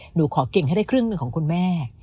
หนูขอเก่งให้ได้ครึ่งหนึ่งของคุณแม่